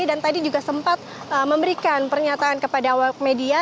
dan tadi juga sempat memberikan pernyataan kepada media